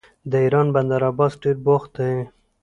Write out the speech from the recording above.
د ایران بندر عباس ډیر بوخت دی.